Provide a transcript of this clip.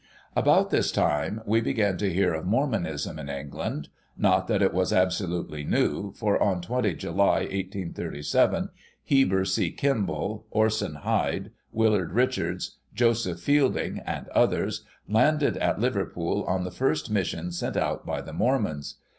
About this time we begin to hear of Mormonism in England; not that it was absolutely new, for, on 20 July, 1837, Heber C. Kimball, Orson Hyde, Willard Richards, Joseph Fielding and others, landed at Liverpool, on the first mission sent out by the Mormons.